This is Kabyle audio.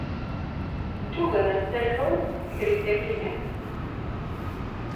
Eǧǧ ugar n tallunt gar yizirigen.